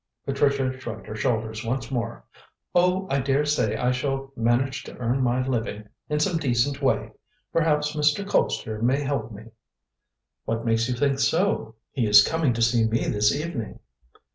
Patricia shrugged her shoulders once more. "Oh, I daresay I shall manage to earn my living in some decent way. Perhaps Mr. Colpster may help me." "What makes you think so?" "He is coming to see me this evening."